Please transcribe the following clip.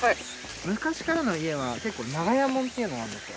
昔からの家は結構長屋門っていうのがあるんですよ。